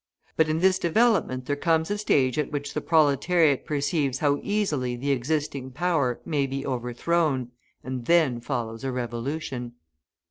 But in this development there comes a stage at which the proletariat perceives how easily the existing power may be overthrown, and then follows a revolution.